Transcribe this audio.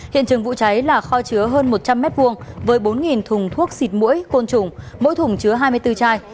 hiện trường vụ cháy là kho chứa hơn một trăm linh m hai với bốn thùng thuốc xịt mũi côn trùng mỗi thùng chứa hai mươi bốn chai